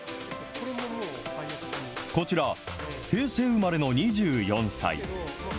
こちら、平成生まれの２４歳。